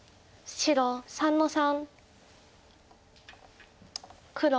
白３の五。